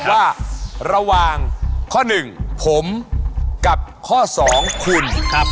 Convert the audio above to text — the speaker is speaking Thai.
ว่าระหว่างข้อหนึ่งผมกับข้อ๒คุณครับ